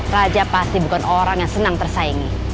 raja pasti bukan orang yang senang tersaingi